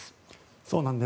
そうなんです。